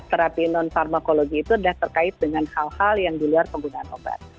terapi non farmakologi itu adalah terkait dengan hal hal yang di luar penggunaan obat